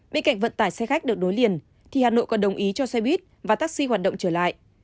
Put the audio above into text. bên cạnh vận tải xe khách được nối liền thì hà nội còn đồng ý cho xe buýt và taxi hoạt động trở lại